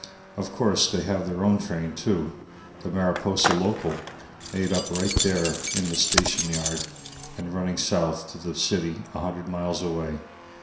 Of course, they have their own train, too the Mariposa Local, made up right there in the station yard, and running south to the city a hundred miles away.